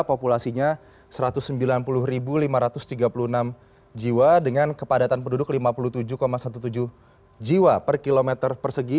populasinya satu ratus sembilan puluh lima ratus tiga puluh enam jiwa dengan kepadatan penduduk lima puluh tujuh tujuh belas jiwa per kilometer persegi